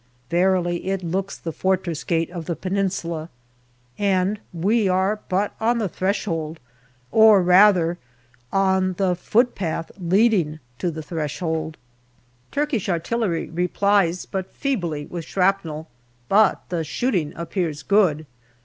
Verily it looks the fortress gate of the Peninsula, and we are but on the threshold, or rather on the footpath leading to the threshold. Turkish artillery replies but feebly with shrapnel, but the shooting appears good.